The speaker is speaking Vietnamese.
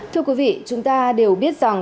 thưa quý vị chúng ta đều biết rằng